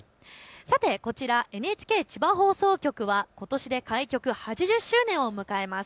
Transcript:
こちら、ＮＨＫ千葉放送局はことしで開局８０周年を迎えます。